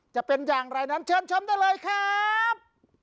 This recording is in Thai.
จะเป็นอย่างไรนั้นเชิญชมได้เลยครับ